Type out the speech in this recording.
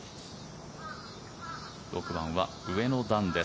６番は上の段です。